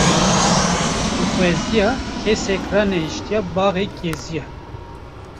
Bi xweziya kesek ranehîştiye baxê keziya